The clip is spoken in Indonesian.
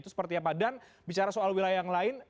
itu seperti apa dan bicara soal wilayah yang lain